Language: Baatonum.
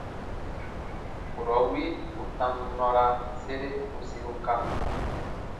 Kurɔ wi u tam nɔra sere u siruka.